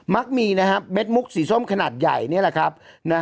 มักมีเม็ดมุกสีส้มขนาดใหญ่นี่แหละครับ